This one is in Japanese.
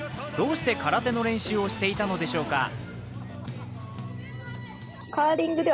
どうして空手の練習をしていたのでしょうか？